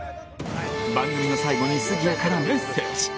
番組の最後に杉谷からメッセージ